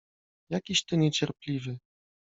— Jakiś ty niecierpliwy!